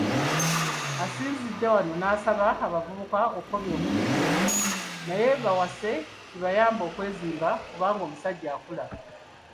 Asinzidde wano n'asaba abavubuka okukomya obutiitiizi naye bawase, kibayambe okwezimba kubanga omusajja akula buvunaanyizibwa.